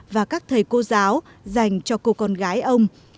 và các thầy cô giáo dành cho cô con gái ông